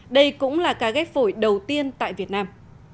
đây cũng là ca ghép phổi đầu tiên tại việt nam